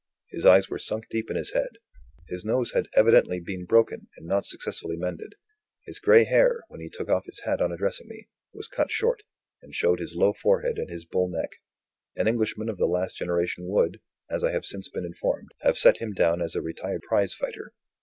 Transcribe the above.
His eyes were sunk deep in his head; his nose had evidently been broken and not successfully mended; his grey hair, when he took off his hat on addressing me, was cut short, and showed his low forehead and his bull neck. An Englishman of the last generation would, as I have since been informed, have set him down as a retired prize fighter.